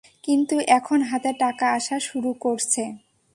কিন্তু এখন হাতে টাকা আসা শুরু করছে।